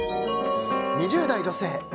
２０代女性。